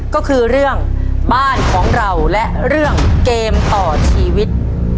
ก็คือเรื่องบ้านของเราและเรื่องเกมต่อชีวิต